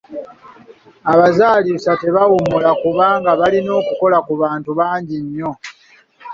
Abazaalisa tebawummula kubanga balina okukola ku bantu bangi nnyo.